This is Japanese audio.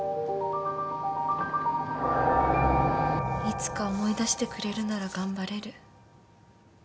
いつか思い出してくれるなら頑張れる。